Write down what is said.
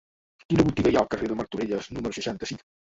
Quina botiga hi ha al carrer de Martorelles número seixanta-cinc?